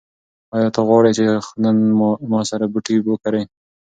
ایا ته غواړې چې نن ما سره بوټي وکرې؟